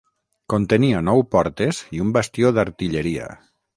Contenia nou portes i un bastió d'artilleria.